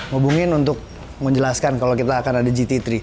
hubungin untuk menjelaskan kalau kita akan ada gt tiga